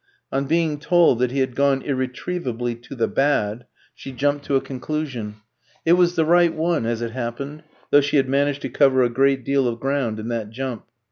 On being told that he had "gone" irretrievably "to the bad," she jumped to a conclusion: it was the right one, as it happened, though she had managed to cover a great deal of ground in that jump.